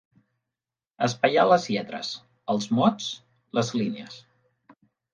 Espaiar les lletres, els mots, les línies.